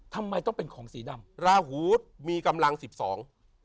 ทำไมต้องเป็นของสีดำราหูมีกำลังสิบสอง